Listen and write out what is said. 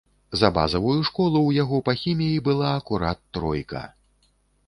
За базавую школу ў яго па хіміі была акурат тройка.